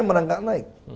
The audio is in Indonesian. saya merangkak naik